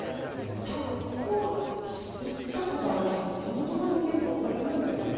多分ここ行った事ある人って地元の人間でもあんまりいないんじゃないかな。